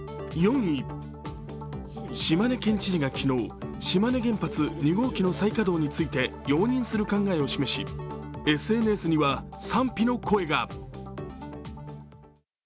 島根県知事が昨日、島根原発２号機の再稼働について容認する考えを示し、ＳＮＳには賛否の声が。